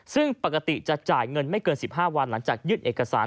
ซึ่งปกติจะจ่ายเงินไม่เกิน๑๕วันหลังจากยื่นเอกสาร